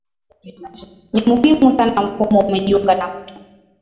ni muhimu sana Mfumo umejiunga na Mto